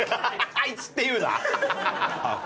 「あいつ」って言うな。